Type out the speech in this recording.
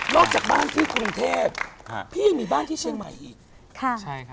จากบ้านที่กรุงเทพพี่ยังมีบ้านที่เชียงใหม่อีก